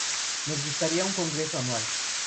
Nos gustaría un congreso anual